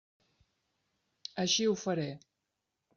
Així ho faré.